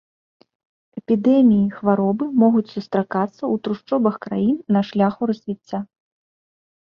Эпідэміі хваробы могуць сустракацца ў трушчобах краін на шляху развіцця.